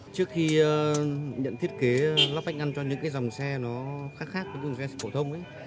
trước khi nhận thiết kế lắp vách ngăn cho những cái dòng xe nó khác khác với những cái xe xe phổ thông